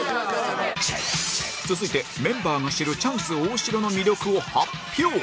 続いてメンバーが知るチャンス大城の魅力を発表！